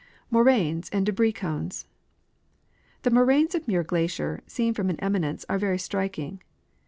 Moraines and Debris Cones. The moraines of Muir glacier, seen from an eminence, are very striking.